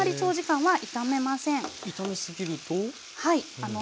はい。